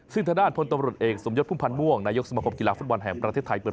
ซึ่งทางด้านพลตำรวจเอกสมยศพุ่มพันธ์ม่วงนายกสมคมกีฬาฟุตบอลแห่งประเทศไทยเปิด